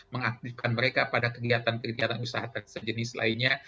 mengaktifkan mereka pada kegiatan kegiatan usaha sejenis lainnya